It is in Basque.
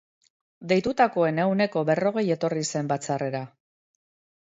Deitutakoen ehuneko berrogei etorri zen batzarrera.